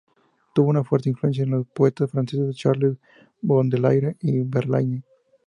Tuvo una fuerte influencia de los poetas franceses Charles Baudelaire y Verlaine